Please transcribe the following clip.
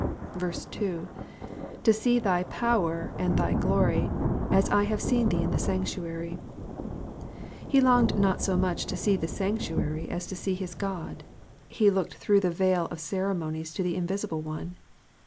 2. '''To see thy power and thy glory ^ so as 1 have seen thee in the sanctuary/"* He longed not so much to see the sanctuary as to see his God ; he looked through the veil of ceremonies to the invisible One.